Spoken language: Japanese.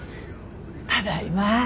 ただいま。